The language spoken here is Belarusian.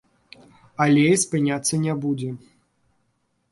Але і спыняцца не будзе.